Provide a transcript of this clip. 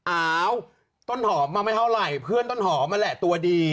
อ้าวต้นหอมมาไม่เท่าไหร่เพื่อนต้นหอมนั่นแหละตัวดี